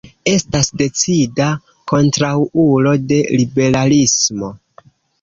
Estas decida kontraŭulo de liberalismo.